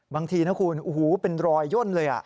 บางทีนะคุณเป็นรอยย่นเลย